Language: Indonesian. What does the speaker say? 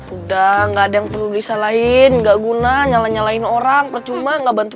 udah nggak ada yang perlu disalahin nggak guna nyala nyalain orang percuma nggak bantu